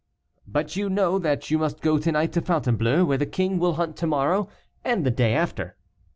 "But you know that you must go to night to Fontainebleau, where the king will hunt to morrow and the day after."